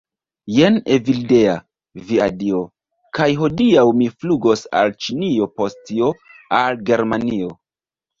Jen Evildea. Via Dio. kaj hodiaŭ mi flugos al ĉinio post tio, al Germanio